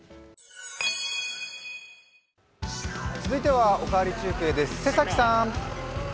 続いては「おかわり中継」です。